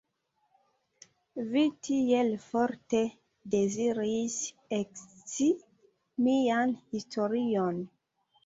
Vi tiel forte deziris ekscii mian historion.